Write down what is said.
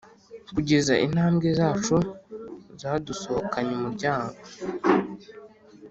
kugeza intambwe zacu zadusohokanye umuryango ...